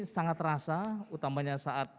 sangat terasa utamanya saat